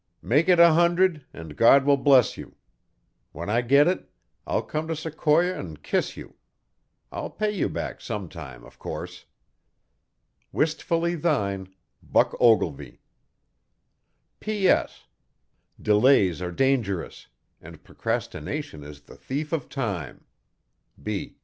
Make it a hundred, and God will bless you. When I get it, I'll come to Sequoia and kiss you. I'll pay you back sometime of course. Wistfully thine Buck Ogilvy P.S. Delays are dangerous, and procrastination is the thief of time.